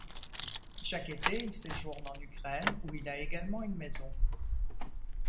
Chaque été, il séjourne en Ukraine où il a également une maison.